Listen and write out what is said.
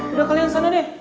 udah kalian kesana deh